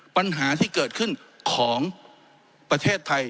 ปัญหาที่เกิดขึ้นของประเทศไทย